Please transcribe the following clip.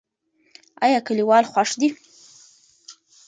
ایا کلیوال خوښ دي؟